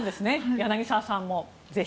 柳澤さんも、ぜひ。